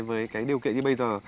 với cái điều kiện như bây giờ